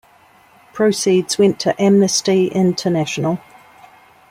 Proceeds went to Amnesty International.